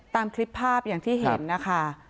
ตามคลิปภาพอย่างที่เห็นนะคะ